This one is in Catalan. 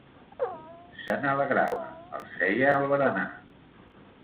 Se n'alegrava, els feia el berenar.